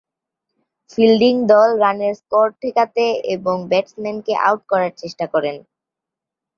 Fielding দল রানের score ঠেকাতে এবং ব্যাটসম্যানকে আউট করার চেষ্টা করেন।